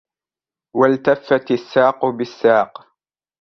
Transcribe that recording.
والتفت الساق بالساق